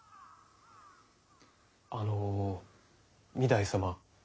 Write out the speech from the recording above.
あの御台様。